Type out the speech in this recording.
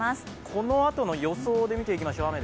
このあとの予想で見ていきましょう。